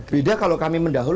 beda kalau kami mendahulukan